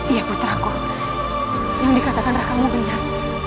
iya putraku yang dikatakan raka itu benar